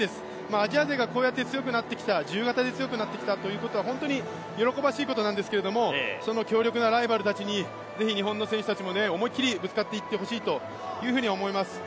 アジア勢がこうやって強くなってきた、自由形で強くなってきたのは喜ばしいことなんですけれども、その強力なライバルたちにぜひ日本の選手たちも思いっきりぶつかっていってほしいというふうに思います。